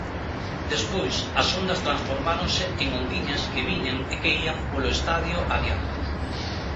Despois, as ondas transformáronse en ondiñas que viñan e que ían polo estadio adiante.